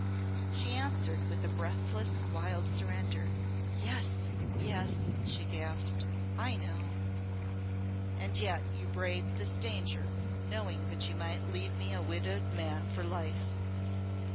She answered with a breathless wild surrender. "Yes, yes!" she gasped, "I know." "And yet you braved this danger, knowing that you might leave me a widowed man for life."